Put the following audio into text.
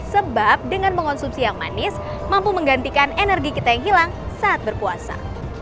sebab dengan mengonsumsi yang manis mampu menggantikan energi kita yang hilang saat berpuasa